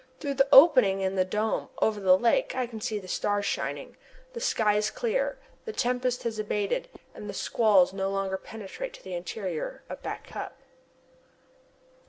Through the opening in the dome, over the lake I can see the stars shining. The sky is clear, the tempest has abated, and the squalls no longer penetrate to the interior of Back Cup.